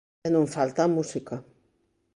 E non falta a música.